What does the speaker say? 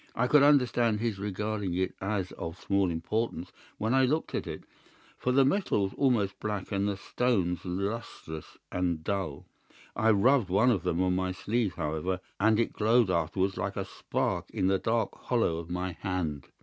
I could understand his regarding it as of small importance when I looked at it, for the metal was almost black and the stones lustreless and dull. I rubbed one of them on my sleeve, however, and it glowed afterwards like a spark in the dark hollow of my hand.